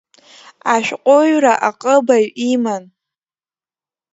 Ашәҟәҩҩра аҟыбаҩ иман.